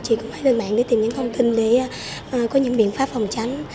chị cũng phải lên mạng để tìm những thông tin để có những biện pháp phòng tránh